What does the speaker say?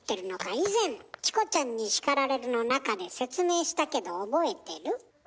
以前「チコちゃんに叱られる」の中で説明したけど覚えてる？